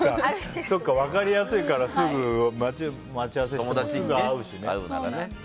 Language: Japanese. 分かりやすいから待ち合わせしても、すぐね。